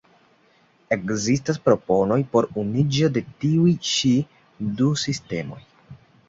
Ekzistas proponoj por unuiĝo de tiuj ĉi du sistemoj.